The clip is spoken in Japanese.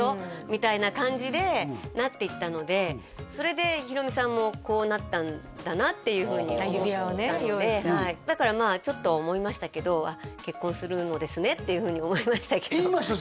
みたいな感じでなっていったのでそれでヒロミさんもこうなったんだなっていうふうに思ったのではいだからまあちょっとは思いましたけどっていうふうに思いましたけど言いました？